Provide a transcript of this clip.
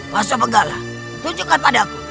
pak sobenggala tunjukkan padaku